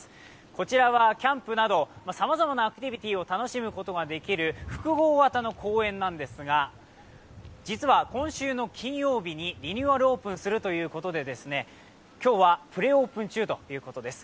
こちらはキャンプなどさまざまなアクティビティーを楽しむことができる複合型の公園なんですが実は今週の金曜日にリニューアルオープンするということで今日はプレオープン中ということです。